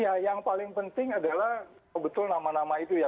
ya yang paling penting adalah betul nama nama itu ya